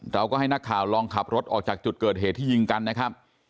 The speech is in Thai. เราก็ให้นักข่าวลองขับรถออกจากจุดเกิดเหตุที่ยิงกันนะครับ